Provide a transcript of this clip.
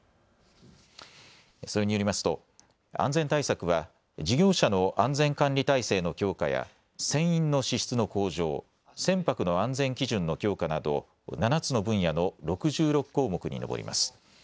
それによりますと安全対策は事業者の安全管理体制の強化や船員の資質の向上、船舶の安全基準の強化など７つの分野の６６項目に上ります。